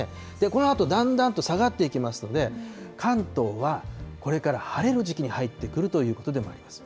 このあとだんだんと下がっていきますので、関東はこれから晴れる時期に入ってくるということでもあります。